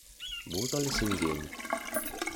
Wo soll es hingehen?